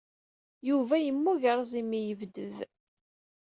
Yuba yemmugreẓ imi ay yebded.